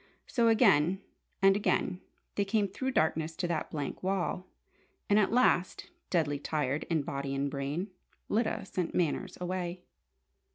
So, again and again they came through darkness to that blank wall! And at last, deadly tired in body and brain, Lyda sent Manners away.